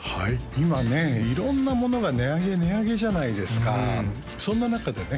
今ね色んなものが値上げ値上げじゃないですかそんな中でね